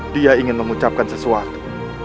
dia ingin memucapkan sesuatu